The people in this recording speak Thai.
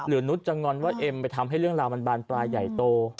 นุษย์จะงอนว่าเอ็มไปทำให้เรื่องราวมันบานปลายใหญ่โต